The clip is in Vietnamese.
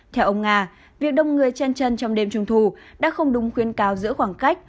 theo ông nga việc đông người trên chân trong đêm trung thù đã không đúng khuyến cáo giữa khoảng cách